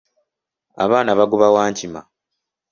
Abaana bagoba wankima.